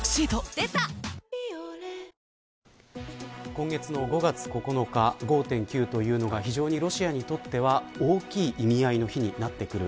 今月の５月９日５．９というのが非常にロシアにとっては大きい意味合いの日になってくる。